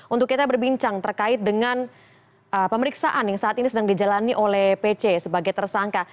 untuk kita berbincang terkait dengan pemeriksaan yang saat ini sedang dijalani oleh pc sebagai tersangka